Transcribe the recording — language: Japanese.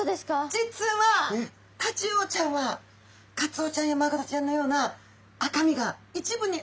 実はタチウオちゃんはカツオちゃんやマグロちゃんのような一部に。